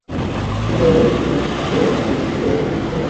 Dhaka medical college হাসপাতালে নেওয়া হলে চিকিৎসকেরা তাঁকে মৃত ঘোষণা করেন।